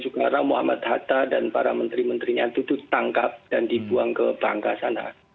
karena muhammad hatta dan para menteri menterinya itu ditangkap dan dibuang ke bangka sana